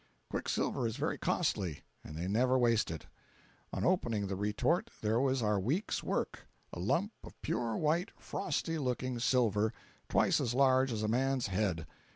Quicksilver is very costly, and they never waste it. On opening the retort, there was our week's work—a lump of pure white, frosty looking silver, twice as large as a man's head.